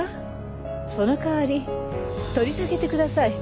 その代わり取り下げてください。